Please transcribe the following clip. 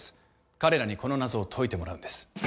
彼らにこの謎を解いてもらうんです。